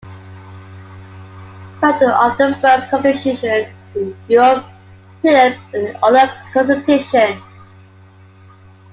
Founder of the first Constitution in Europe -Pylyp Orlyk's Constitution.